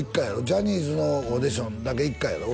ジャニーズのオーディションだけ１回やろ？